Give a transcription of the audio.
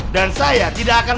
dan saya tidak akan